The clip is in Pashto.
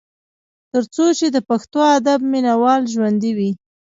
تر څو چې د پښتو ادب مينه وال ژوندي وي ۔